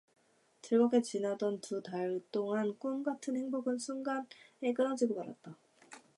즐겁게 지내던 두 달 동안의 꿈 같은 행복은 순간에 끊어지고 말았다.